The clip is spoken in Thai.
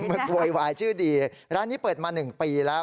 โวยวายชื่อดีร้านนี้เปิดมา๑ปีแล้ว